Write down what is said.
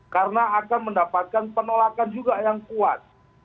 karena akan mendapatkan penolakan juga yang kuat